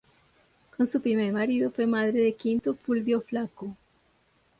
Con su primer marido fue madre de Quinto Fulvio Flaco.